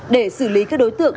để xử lý các đối tượng